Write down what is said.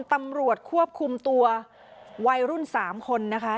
ตำรวจควบคุมตัววัยรุ่น๓คนนะคะ